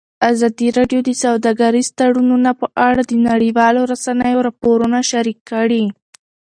ازادي راډیو د سوداګریز تړونونه په اړه د نړیوالو رسنیو راپورونه شریک کړي.